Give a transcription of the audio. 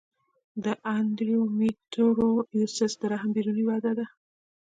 د انډومیټریوسس د رحم بیروني وده ده.